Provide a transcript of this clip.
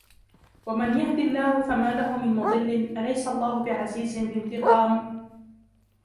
ومن يهد الله فما له من مضل أليس الله بعزيز ذي انتقام